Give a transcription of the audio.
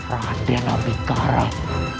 radya nabi karam